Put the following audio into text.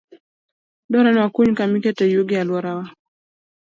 Dwarore ni wakuny kama iketie yugi e alworawa.